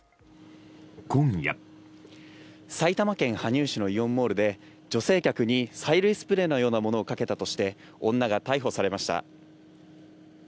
埼玉県羽生市のイオンモールで女性客に催涙スプレーのようなものをかけたとして女が逮捕されました。